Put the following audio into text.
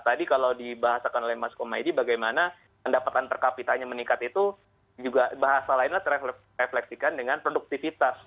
tadi kalau dibahasakan oleh mas komaydi bagaimana pendapatan per kapitanya meningkat itu juga bahasa lainnya terefleksikan dengan produktivitas